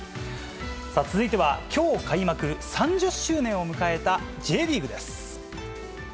続いては、今日開幕３０周年を迎えたＪリーグです。